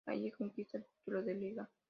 Allí conquista el título de Liga.